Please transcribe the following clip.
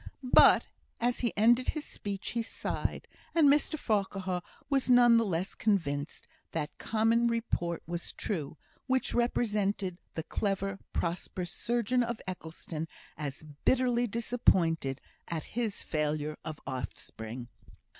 But as he ended his speech he sighed; and Mr Farquhar was none the less convinced that common report was true, which represented the clever, prosperous surgeon of Eccleston as bitterly disappointed at his failure of offspring.